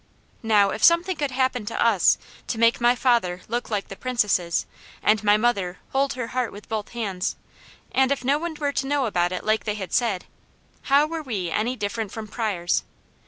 Now if something could happen to us to make my father look like the Princess' and my mother hold her heart with both hands, and if no one were to know about it like they had said, how were we any different from Pryors?